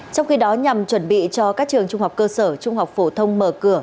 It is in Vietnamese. trong khi đó nhằm chuẩn bị cho các trường trung học cơ sở trung học phổ thông mở cửa